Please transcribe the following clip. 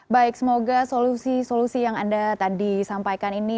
baik semoga solusi solusi yang anda tadi sampaikan ini